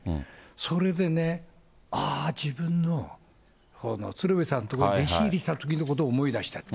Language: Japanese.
それでね、ああ、自分の鶴瓶さんとこに弟子入りしたときのことを思い出したって。